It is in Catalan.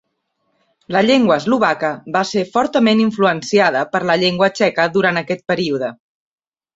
La llengua eslovaca va ser fortament influenciada per la llengua txeca durant aquest període.